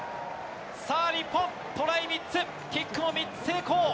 さあ、日本、トライ３つ、キックも３つ成功。